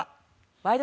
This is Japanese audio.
「ワイド！